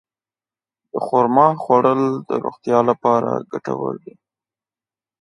د خرما خوړل د روغتیا لپاره ګټور دي.